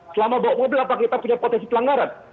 selama bawa mobil apa kita punya potensi pelanggaran